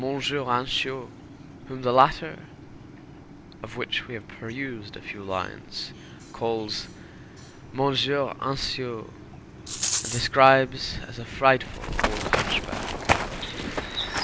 Ansiaux, whom the letter, of which we have perused a few lines, calls M. Anciot, and describes as a frightful old hunchback.